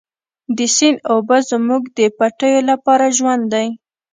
د سیند اوبه زموږ د پټیو لپاره ژوند دی.